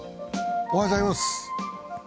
おはようございます。